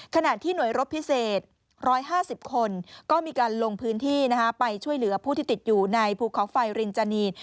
ขนาดที่หน่วยรถพิเศษ๑๕๐คนก็มีการไปช่วยเหลือผู้ที่ติดอยู่ในภูเขาไฟรินจ์าเนียน